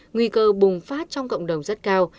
nguy cơ bùng phát trong cộng đồng rất cao